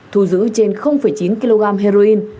thu giữ trên chín kg heroin